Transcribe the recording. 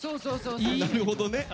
なるほどね。